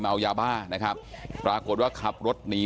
ตำรวจต้องไล่ตามกว่าจะรองรับเหตุได้